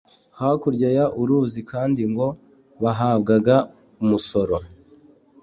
hakurya y uruzi kandi ngo bahabwaga umusoro